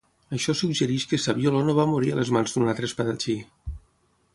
Això suggereix que Saviolo no va morir a les mans d'un altre espadatxí.